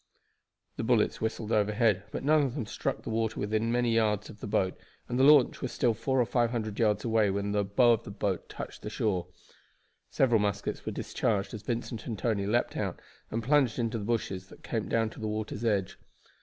The bullets whistled overhead, but none of them struck the water within many yards of the boat, and the launch was still four or five hundred yards away when the bow of the boat touched the shore. Several muskets were discharged as Vincent and Tony leaped out and plunged into the bushes that came down to the water's edge.